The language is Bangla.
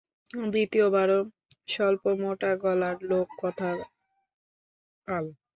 দ্বিতীয় বারও স্বল্প মোটা গলার লোক কথা কাল।